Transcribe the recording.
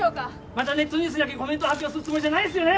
・またネットニュースにだけコメント発表するつもりじゃないっすよね！？